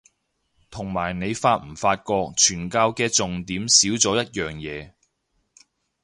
同埋你發唔發覺傳教嘅重點少咗一樣嘢